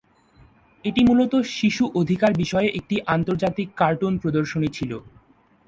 এটি মুলত শিশু অধিকার বিষয়ে একটি আন্তর্জাতিক কার্টুন প্রদর্শনী ছিলো।